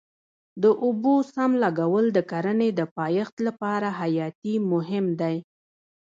د اوبو سم لګول د کرنې د پایښت لپاره حیاتي مهم دی.